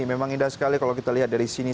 memang indah sekali kalau kita lihat dari sini